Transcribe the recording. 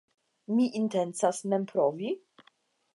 Mi intencas mem provi?